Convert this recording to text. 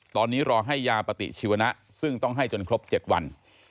ตอนนี้รอให้ยาปฏิชีวนะซึ่งต้องให้จนครบ๗วัน